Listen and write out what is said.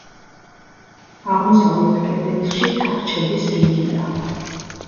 აღმოსავლეთ კედელში თახჩების რიგია.